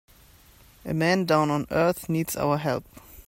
A man down on earth needs our help.